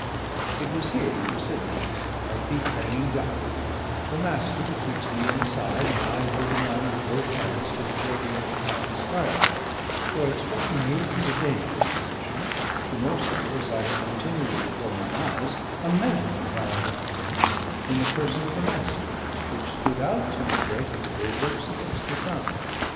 It was here we were sitting: our feet hanging down, the Master betwixt me and the side, and I holding on with both hands to the grating of the cabin skylight; for it struck me it was a dangerous position, the more so as I had continually before my eyes a measure of our evolutions in the person of the Master, which stood out in the break of the bulwarks against the sun.